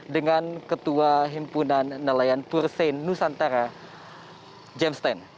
dengan ketua himpunan nelayan pursein nusantara james teng